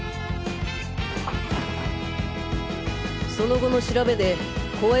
その後の調べで公園